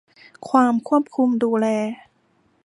ความควบคุมดูแล